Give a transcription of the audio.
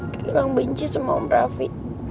gilang benci sama om raffi